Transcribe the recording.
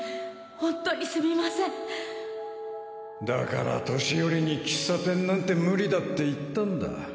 本当にすみまだから年寄りに喫茶店なんて無理だって言ったんだ。